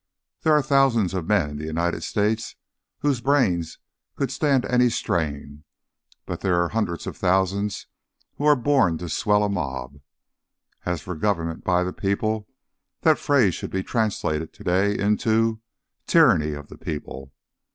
There are thousands of men in the United States whose brains could stand any strain, but there are hundreds of thousands who were born to swell a mob. As for 'government by the people,' that phrase should be translated to day into 'tyranny of the people.'